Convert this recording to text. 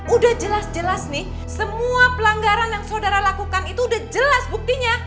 udah jelas jelas nih semua pelanggaran yang saudara lakukan itu udah jelas buktinya